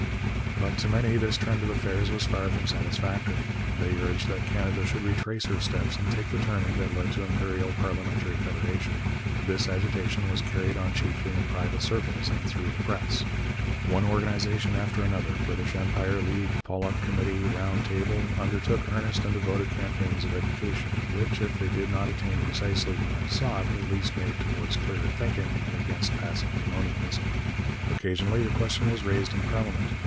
But to many this trend of affairs was far from satisfactory. They urged that Canada should retrace her steps and take the turning that led to imperial parliamentary federation. This agitation was carried on chiefly in private circles and through the press. One organization after another British Empire League, Pollock Committee, Round Table undertook earnest and devoted campaigns of education, which, if they did not attain precisely the end sought, at least made towards clearer thinking and against passive colonialism. Occasionally the question was raised in parliament.